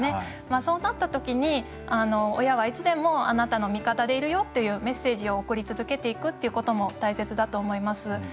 そうなったときに、親はいつでもあなたの味方でいるよというメッセージを送り続けていくことも大切だと思います。